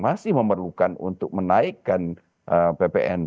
masih memerlukan untuk menaikkan ppn